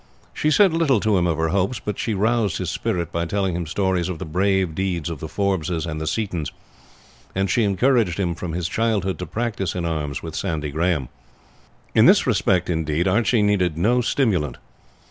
She said little to him of her hopes; but she roused his spirit by telling him stories of the brave deeds of the Forbeses and Seatons, and she encouraged him from his childhood to practise in arms with Sandy Grahame. In this respect, indeed, Archie needed no stimulant.